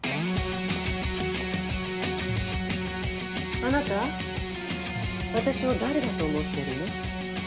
あなた私を誰だと思ってるの？